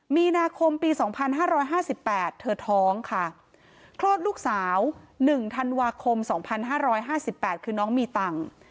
มีนาคมปี๒๕๕๘เธอท้องค่ะคลอดลูกสาว๑ธันวาคม๒๕๕๘คือน้องมีตังค์